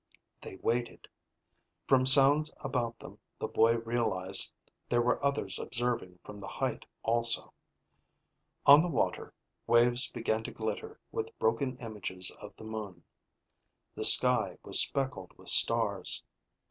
They waited. From sounds about them, the boy realized there were others observing from the height also. On the water, waves began to glitter with broken images of the moon. The sky was speckled with stars.